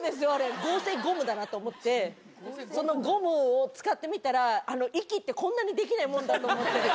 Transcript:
合成ゴムだなと思って、そのゴムを使ってみたら、息って、こんなにできないもんなんだって思って。